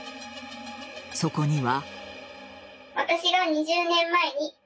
そこには。